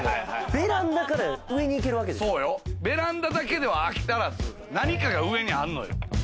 ベランダだけでは飽き足らず、何かが上にあんのよ。